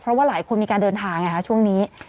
เพราะว่าหลายคนมีการเดินทางไงคะช่วงนี้